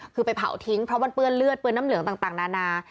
คือไปเผาทิ้งเพราะมันเปื้อนเลือดเปื้อนน้ำเหลืองต่างนานา